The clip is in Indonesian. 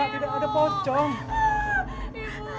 ibu takut ibu tidakut pocong